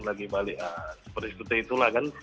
lagi balik seperti itu lah kan